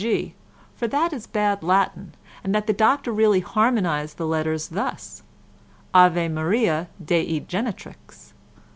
D.G., for that this is bad Latin, and that the doctor really harmonised the letters thus: Ave Maria Dei Genetrix.